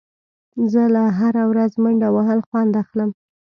زه له هره ورځ منډه وهل خوند اخلم.